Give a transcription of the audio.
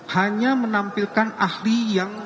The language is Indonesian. hanya menampilkan ahli yang